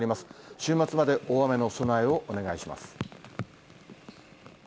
週末まで大雨の備えをお願いします。